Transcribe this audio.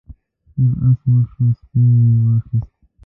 سور آس مړ شو سپین مې واخیست.